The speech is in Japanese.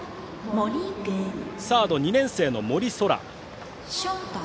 サード、２年生の森颯良。